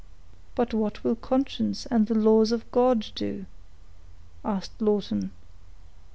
"But what will conscience and the laws of God do?" asked Lawton.